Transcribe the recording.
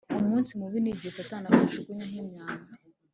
Umunsi mubi nigihe satani akujugunyaho imyambi